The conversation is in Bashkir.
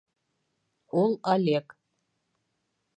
Ул Олег